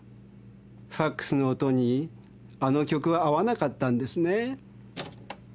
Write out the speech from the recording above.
ファクスの音にあの曲は合わなかったんですね？